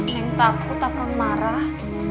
saya takut akan marah